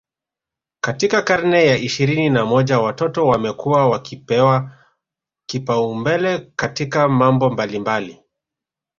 katika karne ya ishirini na moja watoto wamekuwa wakipewa kipaumbele katika mambo mbalimbali